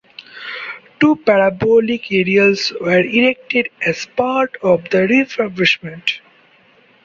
Two parabolic aerials were erected as part of this refurbishment.